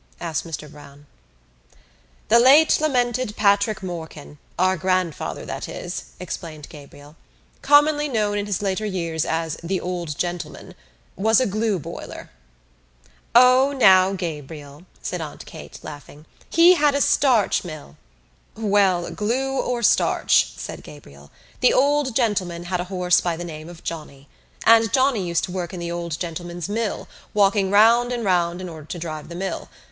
asked Mr Browne. "The late lamented Patrick Morkan, our grandfather, that is," explained Gabriel, "commonly known in his later years as the old gentleman, was a glue boiler." "O now, Gabriel," said Aunt Kate, laughing, "he had a starch mill." "Well, glue or starch," said Gabriel, "the old gentleman had a horse by the name of Johnny. And Johnny used to work in the old gentleman's mill, walking round and round in order to drive the mill.